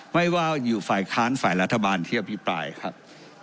ไม่ว่ายูไฟค้าศฯฝ่ายราทบาลเทียบอภิปรายครับ